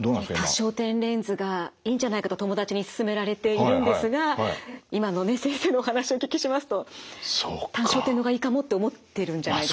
多焦点レンズがいいんじゃないかと友達にすすめられているんですが今のね先生のお話をお聞きしますと単焦点の方がいいかもって思ってるんじゃないですかね？